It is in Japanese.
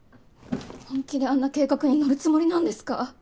本気であんな計画に乗るつもりなんですか？